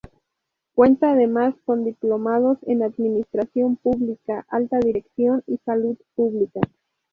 Cuenta además con diplomados en administración pública, alta dirección y salud pública.